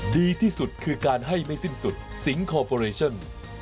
ดีที่สุดคือการให้ไม่สิ้นสุดสิงคอร์ปอเรชั่น